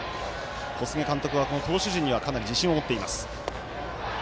小菅監督は、投手陣にはかなり自信を持っています。